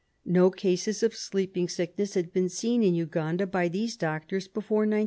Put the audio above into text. No cases of sleeping sickness had been seen in Uganda by these doctors before 1901.